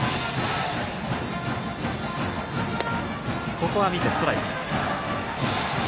ここは見てストライクです。